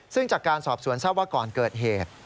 ซึ่งจากการสอบสวนทราบว่าก่อนเกิดเหตุ